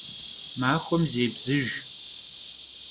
Maxuem zêbzıjj.